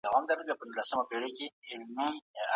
دې لړ کي یي سیاسي ګوندونه او مدني ټولني